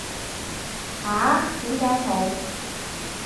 吓？點解冇